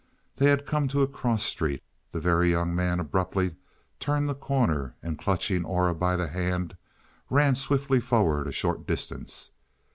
They had come to a cross street; the Very Young Man abruptly turned the corner, and clutching Aura by the hand ran swiftly forward a short distance.